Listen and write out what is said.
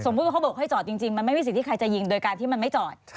เขาบอกให้จอดจริงมันไม่มีสิทธิ์ใครจะยิงโดยการที่มันไม่จอด